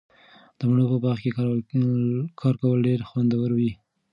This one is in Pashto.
د مڼو په باغ کې کار کول ډیر خوندور وي.